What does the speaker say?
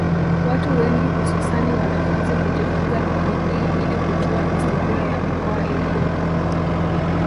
Watu wengi hususani wanafunzi hujifunza kwa bidii ili kujua historia ya mikoa iliyopo